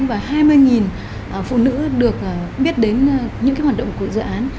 và hai mươi phụ nữ được biết đến những hoạt động của dự án